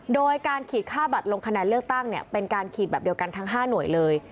โดยการขีดค่าบัตรลงคะแนนเลือกตั้งเป็นการขีดแบบเดียวกันทั้ง๕หน่วยเลย